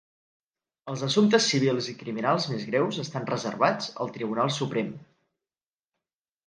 Els assumptes civils i criminals més greus estan reservats al Tribunal Suprem.